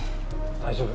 大丈夫。